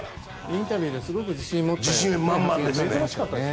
インタビューですごく自信を持って。